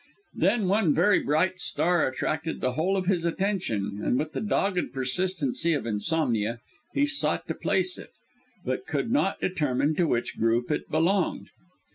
Then one very bright star attracted the whole of his attention, and, with the dogged persistency of insomnia, he sought to place it, but could not determine to which group it belonged.